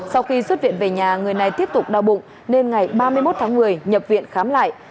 sau khi xuất viện về nhà người này tiếp tục đau bụng nên ngày ba mươi một tháng một mươi nhập viện khám lại